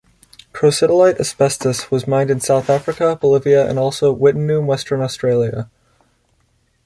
Crocidolite asbestos was mined in South Africa, Bolivia and also at Wittenoom, Western Australia.